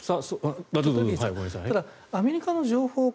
ただ、アメリカの情報